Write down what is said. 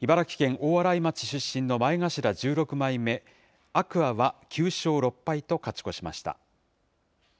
茨城県大洗町出身の前頭１６枚目・天空海は９勝６敗と勝ち越しました。